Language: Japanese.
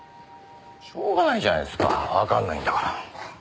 しょうがないじゃないですかわかんないんだから。